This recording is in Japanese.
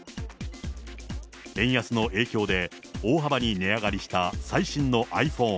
円安の影響で大幅に値上がりした最新のｉＰｈｏｎｅ。